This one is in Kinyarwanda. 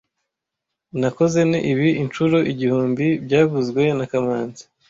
Nakozene ibi inshuro igihumbi byavuzwe na kamanzi